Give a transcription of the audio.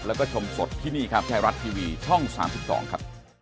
แล้วก็ชมสดที่นี่ครับไทยรัฐทีวีช่อง๓๒ครับ